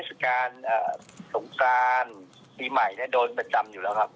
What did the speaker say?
เอ่อเทศกาลเอ่อสงการปีใหม่เนี่ยโดนประจำอยู่แล้วครับค่ะ